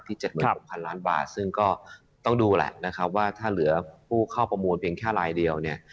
๗๖๐๐ล้านบาทซึ่งก็ต้องดูแหละนะครับว่าถ้าเหลือผู้เข้าประมูลเพียงแค่ลายเดียวเนี่ย